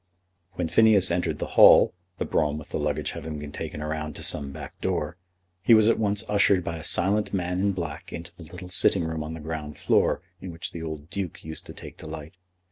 When Phineas entered the hall, the brougham with the luggage having been taken round to some back door, he was at once ushered by a silent man in black into the little sitting room on the ground floor in which the old Duke used to take delight.